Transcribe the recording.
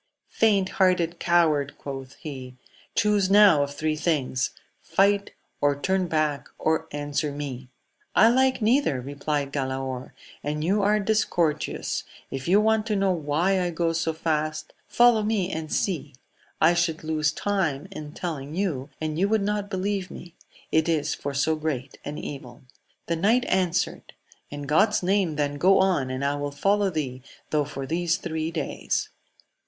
Faint hearted coward ! quoth he^ chuse now of three things : fight, or turn back', or answer me ! I like neither, replied Galaor, and you are discourteous : if you want to know why I go so fast, follow me and see ; I should lose time in telling you, and you would not believe me, it is for so great an evil. The knight answered, in God's name then go on, and I will follow thee though for these three days.